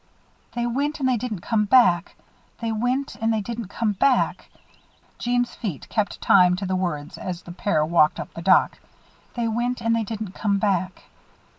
"They went and they didn't come back they went and they didn't come back" Jeanne's feet kept time to the words as the pair walked up the dock. "They went and they didn't come back."